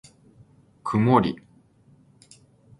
くもり